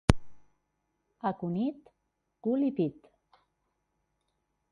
A Cunit, cul i pit.